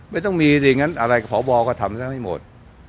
ไม่ต้องมีเลยอย่างนั้นอะไรกับพบก็ทำได้ไม่หมด